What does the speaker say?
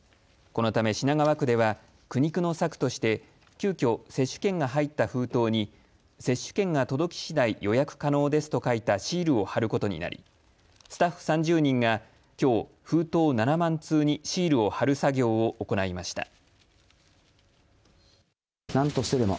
このため品川区では、苦肉の策として急きょ、接種券が入った封筒に接種券が届き次第予約可能ですと書いたシールを貼ることになりスタッフ３０人がきょう、封筒７万通にシールを貼る作業を行いました。